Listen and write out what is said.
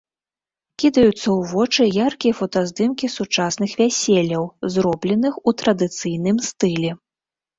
Кідаюцца ў вочы яркія фотаздымкі сучасных вяселляў, зробленых у традыцыйным стылі.